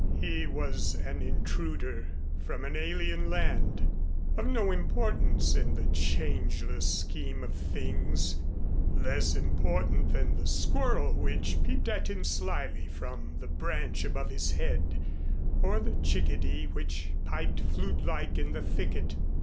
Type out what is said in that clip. He was an intruder from an alien land, of no importance in the changeless scheme of things less important than the squirrel which peeped at him slyly from the branch above his head or the chickadee which piped flutelike in the thicket.